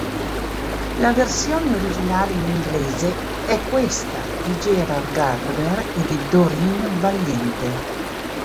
La versione originale in inglese è questa, di Gerald Gardner e di Doreen Valiente.